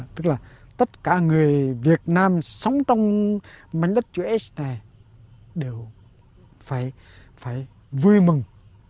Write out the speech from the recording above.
tức là tất cả người việt nam sống trong mảnh đất chữ s này đều phải vui mừng